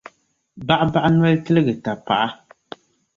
Baɣibaɣi noli tiligi tapaɣa.